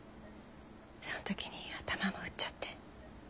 そん時に頭も打っちゃって。